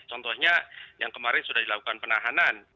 contohnya yang kemarin sudah dilakukan penahanan